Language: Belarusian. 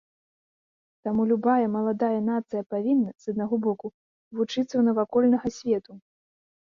Таму любая маладая нацыя павінна, з аднаго боку, вучыцца ў навакольнага свету.